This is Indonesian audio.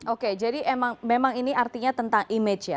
oke jadi memang ini artinya tentang image ya